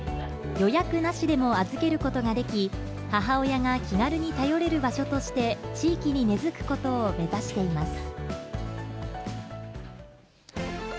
予約なしでも預けることができ、母親が気軽に頼れる場所として、地域に根づくことを目指しています。